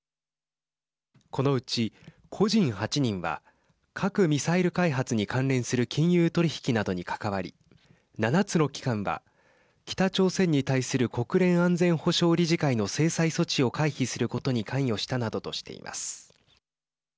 このうち、個人８人は核・ミサイル開発に関連する金融取引などに関わり７つの機関は、北朝鮮に対する国連安全保障理事会の制裁措置を回避することに関与したなどとしています。